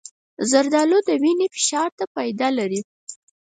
زردالو د وینې فشار ته فایده لري.